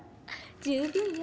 十分よ。